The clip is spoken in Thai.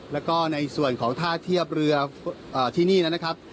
แล้วก็ในส่วนของท่าเทียบเรือที่นี่นะครับ